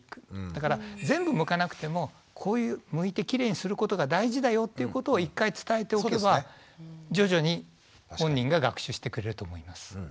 だから全部むかなくてもむいてキレイにすることが大事だよっていうことを１回伝えておけば徐々に本人が学習してくれると思います。